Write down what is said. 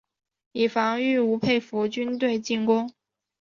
以防御吴佩孚军队进攻。